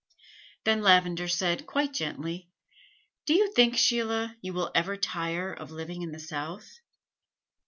Then Lavender said, quite gently: "Do you think, Sheila, you will ever tire of living in the South?"